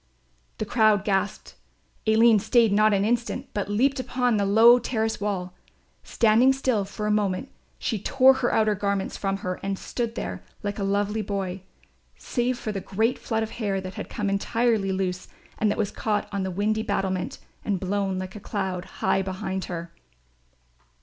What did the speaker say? The crowd gasped. Aline stayed not an instant, but leaped upon the low terrace wall. Standing still for a moment she tore her outer garments from her and stood there like a lovely boy, save for the great flood of hair that had come entirely loose and that was caught on the windy battlement and blown like a cloud high behind her.